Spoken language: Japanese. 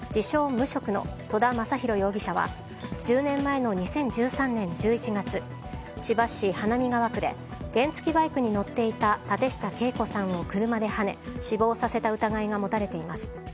無職の戸田昌宏容疑者は１０年前の２０１３年１１月千葉市花見川区で原付きバイクに乗っていた舘下敬子さんを車ではね死亡させた疑いが持たれています。